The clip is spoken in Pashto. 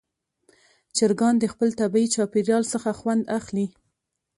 چرګان د خپل طبیعي چاپېریال څخه خوند اخلي.